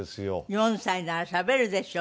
４歳ならしゃべるでしょ。